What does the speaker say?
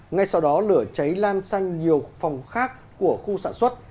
ngay sau đó lửa cháy lan sang nhiều phòng khác của khu sản xuất